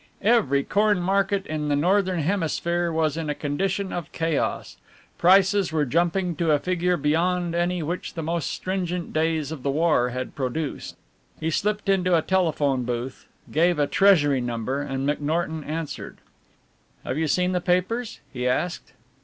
Every corn market in the Northern Hemisphere was in a condition of chaos. Prices were jumping to a figure beyond any which the most stringent days of the war had produced. He slipped into a telephone booth, gave a Treasury number and McNorton answered. "Have you seen the papers?" he asked.